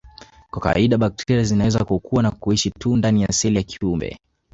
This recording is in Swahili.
Kwa kawaida bakteria zinaweza kukua na kuishi tu ndani ya seli ya kiumbe